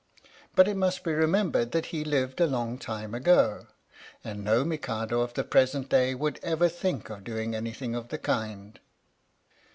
But it must be remembered that he lived a long time ago, and no Mikado of the present day would ever think of doing anything of the kind.